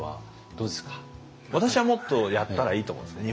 私はもっとやったらいいと思うんですね。